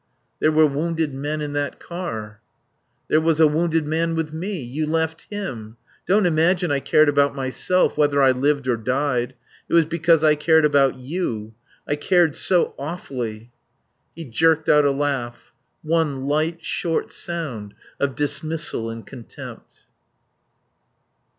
There were wounded men in that car." "There was a wounded man with me. You left him.... Don't imagine I cared about myself, whether I lived or died. It was because I cared about you. I cared so awfully." He jerked out a laugh. One light, short sound of dismissal and contempt.